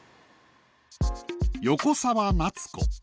横澤夏子。